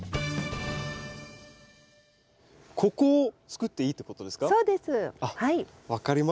ここをつくっていいってことですか？